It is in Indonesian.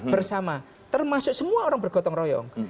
bersama termasuk semua orang bergotong royong